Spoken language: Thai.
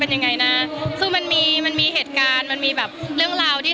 เป็นยังไงนะคือมันมีมันมีเหตุการณ์มันมีแบบเรื่องราวที่